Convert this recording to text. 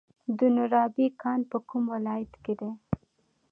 د نورابې کان په کوم ولایت کې دی؟